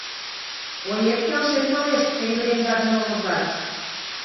— Оет келшен толеш, — пеҥгыдемдат моло-влак.